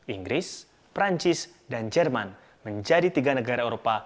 inggris perancis dan jerman menjadi tiga negara eropa